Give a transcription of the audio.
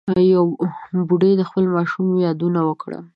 بوډۍ د خپلو ماشومانو یادونه وکړه.